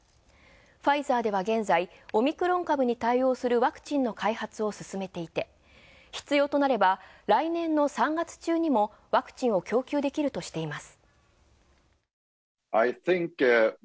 ファイザーでは現在、オミクロン株に対応するためのワクチンの開発を進めていて、必要となれば、ワクチンを供給できるとしています。